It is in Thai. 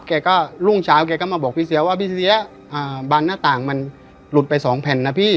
แกก็รุ่งเช้าแกก็มาบอกพี่เสียว่าพี่เสียบันหน้าต่างมันหลุดไปสองแผ่นนะพี่